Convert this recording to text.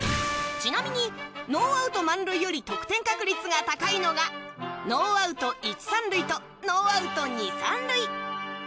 ちなみにノーアウト満塁より得点確率が高いのがノーアウト１塁３塁とノーアウト２塁３塁。